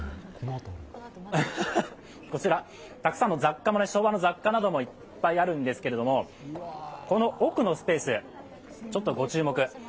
こちら、たくさんの昭和の雑貨もいっぱいあるんですけど、この奥のスペース、ご注目。